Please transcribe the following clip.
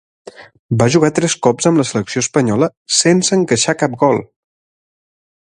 Va jugar tres cops amb la Selecció espanyola sense encaixar cap gol.